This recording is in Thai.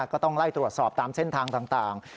ก็ต้องไล่ตรวจสอบตามเส้นทางต่าง